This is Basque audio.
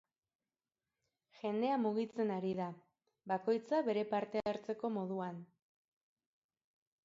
Jendea mugitzen ari da, bakoitza bere parte hartzeko moduan.